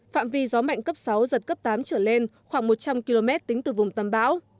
phạm vi gió mạnh cấp sáu giật cấp tám trở lên khoảng một trăm linh km tính từ vùng tâm bão